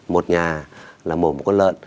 một nhà là mổ một con lợn